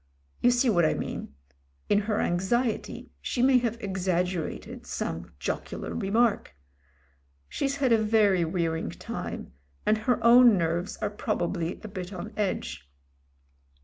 You see what I mean : in her anxiety she may have exaggerated some jocular remark. She's had a very wearing time, and her own nerves are proba bly a bit on edge.